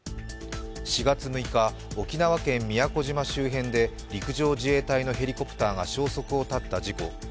４月６日、沖縄県宮古島周辺で陸上自衛隊のヘリコプターが消息を絶った事故。